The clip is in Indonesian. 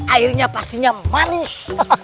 airnya pastinya manis